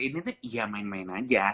ini tuh ya main main aja